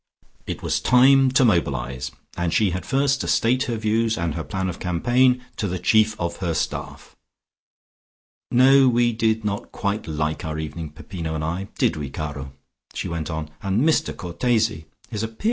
It was time to mobilise, and she had first to state her views and her plan of campaign to the chief of her staff. "No, we did not quite like our evening, Peppino and I, did we, caro?" she went on. "And Mr Cortese! His appearance!